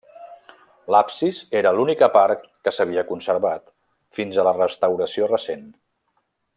L'absis era l'única part que s'havia conservat, fins a la restauració recent.